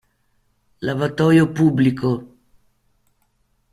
Lavatoio pubblico.